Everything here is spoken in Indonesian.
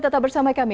tetap bersama kami